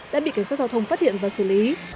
đã bị cảnh sát giao thông phát hiện và xử lý